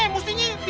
mesti nyuruh yaudah